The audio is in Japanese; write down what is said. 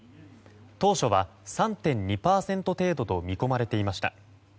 当初は３．２％程度と見込まれていました。